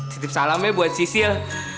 titip salamnya buat sisil